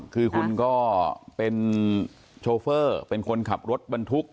คือคุณก็เป็นโชเฟอร์เป็นคนขับรถบรรทุก